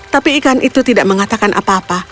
tapi ikan itu tidak mengatakan apa apa